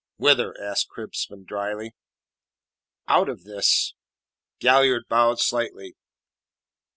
"Whither?" asked Crispin dryly. "Out of this." Galliard bowed slightly.